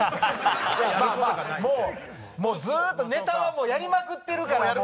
もうずっとネタはやりまくってるから。